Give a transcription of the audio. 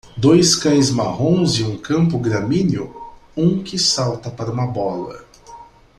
Dois cães marrons em um campo gramíneo? um que salta para uma bola.